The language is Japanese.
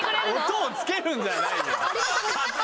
音をつけるんじゃないよ！